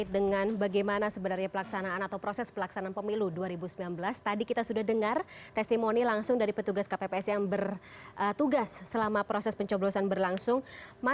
dua jam setengah satu selesai